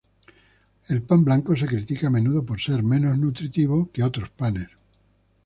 El pan blanco se critica a menudo por ser menos nutritivo que otros panes.